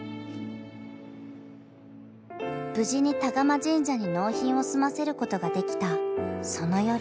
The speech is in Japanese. ［無事に田蒲神社に納品を済ませることができたその夜］